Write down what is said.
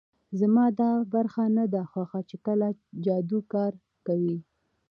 زما دا برخه نه ده خوښه چې کله جادو کار کوي